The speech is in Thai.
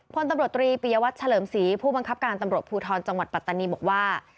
พลตำรวจตรีปียวัตรเฉลิมศรีผู้บังคับการตำรวจภูทรจังหวัดปัตตานีบอกว่า